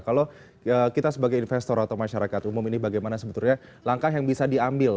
kalau kita sebagai investor atau masyarakat umum ini bagaimana sebetulnya langkah yang bisa diambil